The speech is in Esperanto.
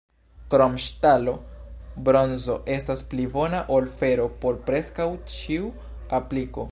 Krom ŝtalo, bronzo estas pli bona ol fero por preskaŭ ĉiu apliko.